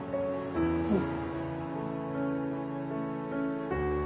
うん。